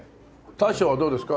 大将はどうですか？